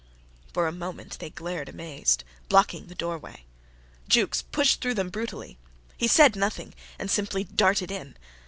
For a moment they glared amazed, blocking the doorway. Jukes pushed through them brutally. He said nothing, and simply darted in.